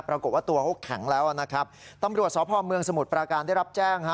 ปรากฏว่าตัวเขาแข็งแล้วนะครับตำรวจสพเมืองสมุทรปราการได้รับแจ้งฮะ